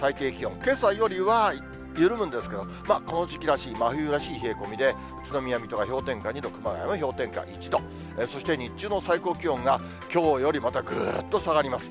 けさよりは緩むんですけど、まあ、この時期らしい、真冬らしい冷え込みで、宇都宮、水戸が氷点下２度、熊谷が氷点下１度、そして日中の最高気温が、きょうよりもまたぐーっと下がります。